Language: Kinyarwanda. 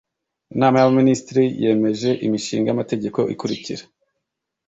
inama y'abaminisitiri yemeje imishinga y'amategeko ikurikira